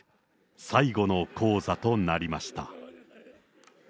最後の高座となりました。